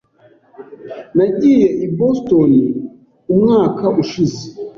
Nagiye i Boston umwaka ushize.